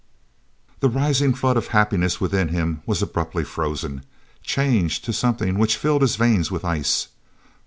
The rising flood of happiness within him was abruptly frozen, changed to something which filled his veins with ice.